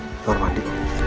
di luar mandi